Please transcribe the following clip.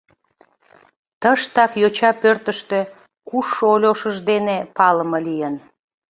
Тыштак йочапӧртыштӧ кушшо Ольошыж дене палыме лийын.